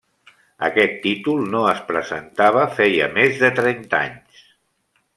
Aquest títol no es presentava feia més de trenta anys.